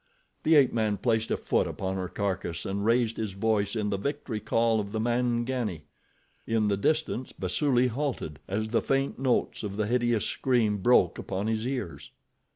The ape man placed a foot upon her carcass and raised his voice in the victory call of the Mangani. In the distance, Basuli halted as the faint notes of the hideous scream broke upon his ears.